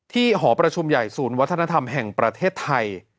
หอประชุมใหญ่ศูนย์วัฒนธรรมแห่งประเทศไทย